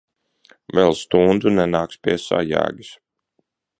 Vēl stundu nenāks pie sajēgas.